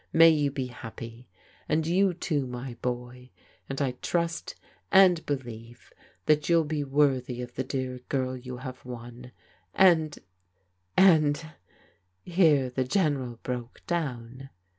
May you be happy. And you, too, my boy — and I trust and believe that you'll be worthy of the dear girl you have won; and — ^and " Here the General broke down.